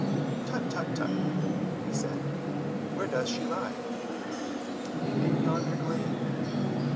"Tut, tut, tut," he said, "where does she lie?" "In yonder glade."